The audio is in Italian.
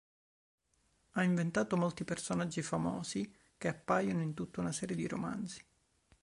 Ha inventato molti personaggi famosi che appaiono in tutta una serie di romanzi.